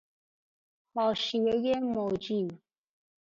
حاشیه موجی